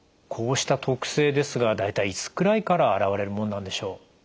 こうした特性ですが大体いつくらいから現れるものなんでしょう？